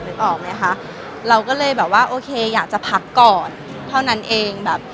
นึกออกไหมคะเราก็เลยแบบว่าโอเคอยากจะพักก่อนเท่านั้นเองแบบ